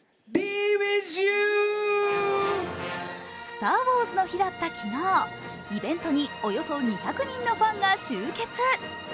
スター・ウォーズの日だった昨日イベントにおよそ２００人のファンが集結。